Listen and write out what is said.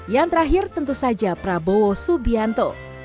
yang terakhir tentu saja prabowo subianto